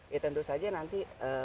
ya tentu saja nanti